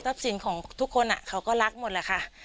สินของทุกคนเขาก็รักหมดแหละค่ะ